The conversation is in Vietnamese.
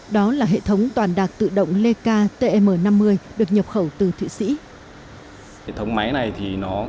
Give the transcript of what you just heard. đó là hệ thống toàn đạc tự động leka tm năm mươi được nhập khẩu từ thụy sĩ